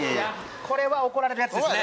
これは怒られるやつですね。